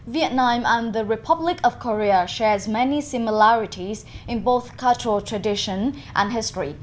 việt nam và hàn quốc đều có nhiều lợi ích trong kinh tế truyền thống và kinh tế